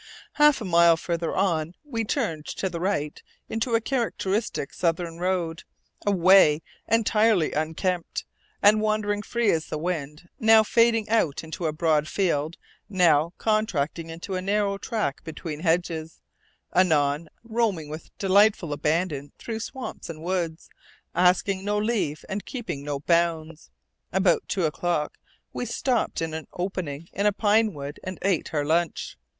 Half a mile farther on, we turned to the right into a characteristic Southern road, a way entirely unkempt, and wandering free as the wind; now fading out into a broad field; now contracting into a narrow track between hedges; anon roaming with delightful abandon through swamps and woods, asking no leave and keeping no bounds. About two o'clock we stopped in an opening in a pine wood and ate our lunch.